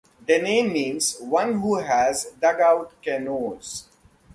Their name means "One who has dugout canoes".